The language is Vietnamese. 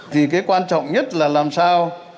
thì cái quan trọng nhất là làm sao